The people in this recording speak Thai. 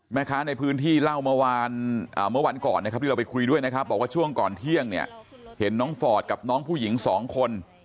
แม่ค้าในพื้นที่เล่าเมื่อวานเมื่อวันก่อนนะครับที่เราไปคุยด้วยนะครับบอกว่าช่วงก่อนเที่ยงเนี่ยเห็นน้องฟอร์ดกับน้องผู้หญิงสองคน